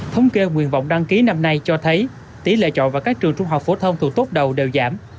thống kê nguyên vọng đăng ký năm nay cho thấy tỉ lệ chọn vào các trường trung học phổ thông thuộc tốt đầu đều giảm